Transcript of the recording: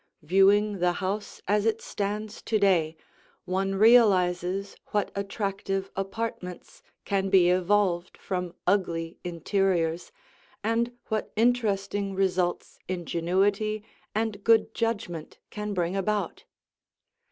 Viewing the house as it stands to day, one realizes what attractive apartments can be evolved from ugly interiors, and what interesting results ingenuity and good judgment can bring about.